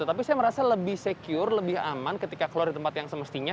tapi saya merasa lebih secure lebih aman ketika keluar di tempat yang semestinya